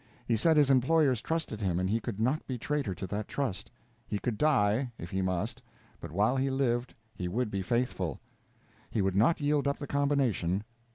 He said his employers trusted him, and he could not be traitor to that trust. He could die, if he must, but while he lived he would be faithful; he would not yield up the "combination."